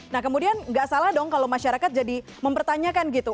nah kemudian nggak salah dong kalau masyarakat jadi mempertanyakan gitu